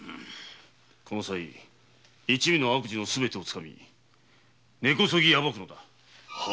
このさい一味の悪事のすべてをつかみ根こそぎ暴くのだ！